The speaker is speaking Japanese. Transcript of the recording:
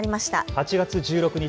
８月１６日